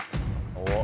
おっ！